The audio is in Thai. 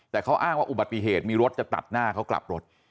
แต่เขาอ้างว่าอุบัติเหตุมีรถจะตัดหน้าเขากลับรถ